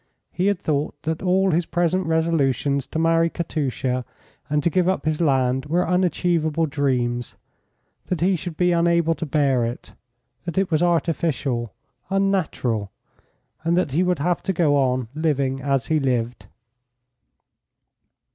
He had thought that all his present resolutions to marry Katusha and to give up his land were unachievable dreams; that he should be unable to bear it; that it was artificial, unnatural; and that he would have to go on living as he lived.